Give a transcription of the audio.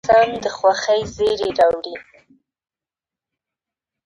کروندګر د کښت په هره مرحله کې بوخت دی